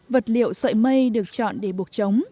vật liệu sợi mây được chọn để buộc trống